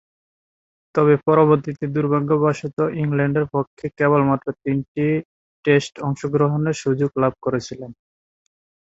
তবে, পরবর্তীতে দূর্ভাগ্যবশতঃ ইংল্যান্ডের পক্ষে কেবলমাত্র তিনটি টেস্টে অংশগ্রহণের সুযোগ লাভ করেছিলেন।